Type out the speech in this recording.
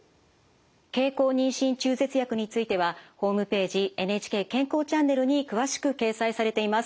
経口妊娠中絶薬についてはホームページ「ＮＨＫ健康チャンネル」に詳しく掲載されています。